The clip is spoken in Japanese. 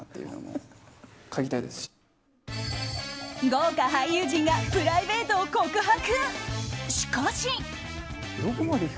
豪華俳優陣がプライベートを告白。